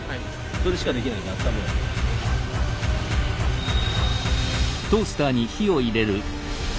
それしかできないんだからあっためよう。